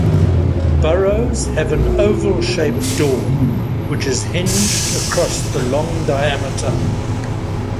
Burrows have an oval shaped door which is hinged across the long diameter.